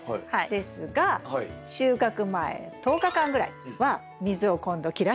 ですが収穫前１０日間ぐらいは水を今度切らしめにします。